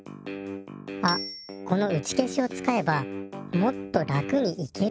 あっこのうちけしを使えばもっと楽に行けるかも。